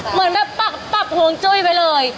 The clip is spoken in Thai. เหมือนแบบปักห่วงจุ้ยไปเลย